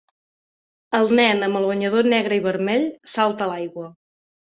El nen amb el banyador negre i vermell salta a l'aigua.